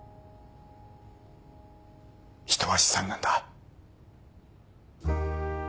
人は資産なんだ。